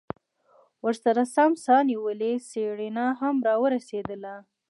ورسرہ سم سا نيولې سېرېنا هم راورسېدله.